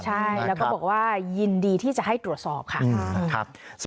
ใช่แล้วก็บอกว่ายินดีที่จะให้ตรวจสอบค่ะ